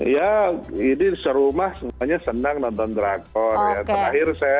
ya ini seru mah semuanya senang nonton drakor ya